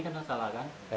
banyak salah kan